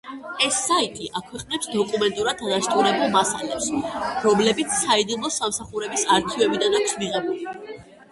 ეს საიტი აქვეყნებს დოკუმენტურად დადასტურებულ მასალებს, რომლებიც საიდუმლო სამსახურების არქივებიდან აქვს მიღებული.